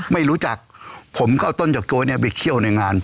ไม่รู้จักผมก็เอาต้นจากโกยเนี่ยไปเคี่ยวในงาน